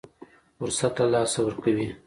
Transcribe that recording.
فرصت له لاسه ورکوي.